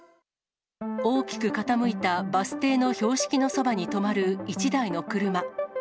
大きく傾いたバス停の標識のそばに止まる１台の車。